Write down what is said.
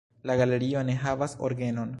La galerio ne havas orgenon.